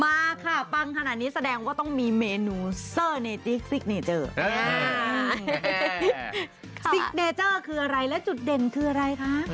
มาค่ะปังขนาดนี้แสดงว่าต้องมีเมนูเซอร์เนติกซิกเนเจอร์ซิกเนเจอร์คืออะไรและจุดเด่นคืออะไรคะ